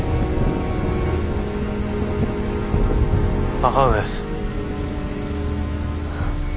母上。